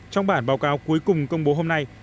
trong bản báo cáo cuối cùng công bố hôm nay